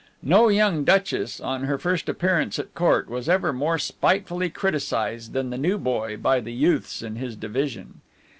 No young duchess, on her first appearance at Court, was ever more spitefully criticised than the new boy by the youths in his division.